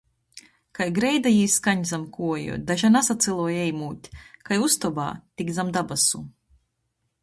Kai greida jī skaņ zam kuoju, daža nasacyloj eimūt. Kai ustobā, tik zam dabasu.